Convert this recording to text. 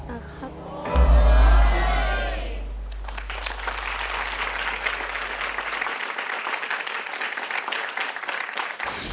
โอ้โฮ